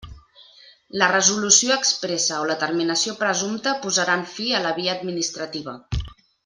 La resolució expressa o la terminació presumpta posaran fi a la via administrativa.